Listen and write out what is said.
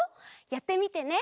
やってみてね。